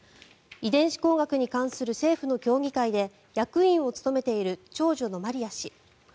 遺伝子工学に関する政府の協議会で役員を務めている長女のマリヤ氏